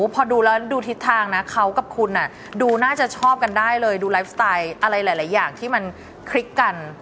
พอดูแล้วดูทิศทางนะเขากับคุณดูน่าจะชอบกันได้เลยดูไลฟ์สไตล์อะไรหลายอย่างที่มันคลิกกัน